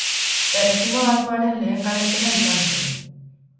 Erresuma Batuaren lehen garaipena izan zen.